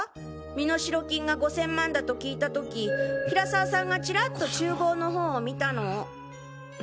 身代金が５０００万だと聞いたとき平沢さんがチラッと厨房の方を見たのを。